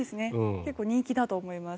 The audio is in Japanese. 結構人気だと思います。